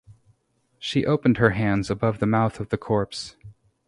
She opened her hands above the mouth of the corpse.